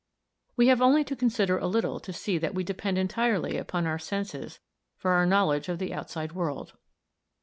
"We have only to consider a little to see that we depend entirely upon our senses for our knowledge of the outside world.